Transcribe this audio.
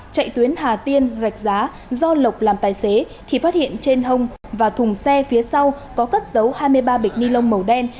chạy tuyến hà tiên rạch giá do lộc làm tài xế thì phát hiện trên hông và thùng xe phía sau có cất dấu hai mươi ba bịch ni lông màu đen